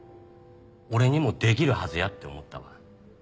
俺にもできるはずやって思ったわ。